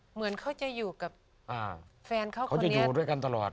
เหมือนเขาจะอยู่กับแฟนเขาเขาจะอยู่ด้วยกันตลอด